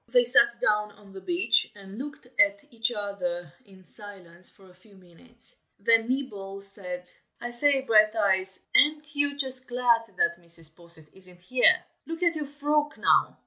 They sat down on the beach and looked at each other in silence for a few minutes. Then Nibble said, "I say, Brighteyes, ain't you just glad that Mrs. Posset isn't here? look at your frock, now!"